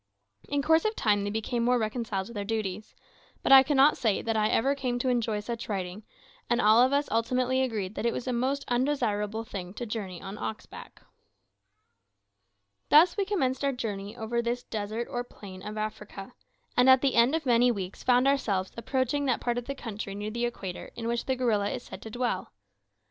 In course of time they became more reconciled to their duties; but I cannot say that I ever came to enjoy such riding, and all of us ultimately agreed that it was a most undesirable thing to journey on ox back. Thus we commenced our journey over this desert or plain of Africa, and at the end of many weeks found ourselves approaching that part of the country near the equator in which the gorilla is said to dwell.